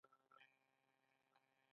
د بزګر لاسونه تڼاکې دي؟